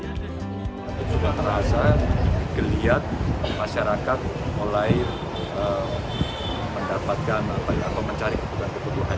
itu sudah terasa kelihatan masyarakat mulai mendapatkan atau mencari kebutuhan kebutuhan